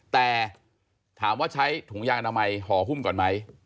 แต่ถามว่าใช้ถุงยางอนามัยห่อหุ้มก่อนไหม